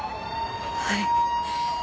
はい。